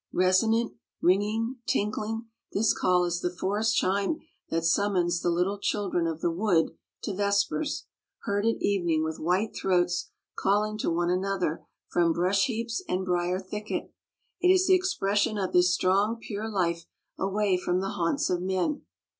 Resonant, ringing tinkling, this call is the forest chime that summons the little children of the wood to vespers, heard at evening with white throats calling to one another from brush heaps and briar thicket, it is the expression of this strong pure life away from the haunts of men.